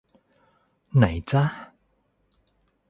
ไหนจ้ะ